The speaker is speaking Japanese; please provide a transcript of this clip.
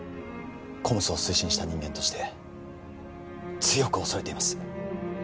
ＣＯＭＳを推進した人間として強く恐れています